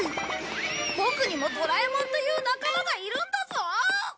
ボクにもドラえもんという仲間がいるんだぞ！